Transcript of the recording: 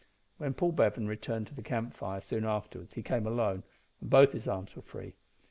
'" When Paul Bevan returned to the camp fire, soon afterwards, he came alone, and both his arms were free.